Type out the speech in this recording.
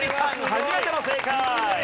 初めての正解。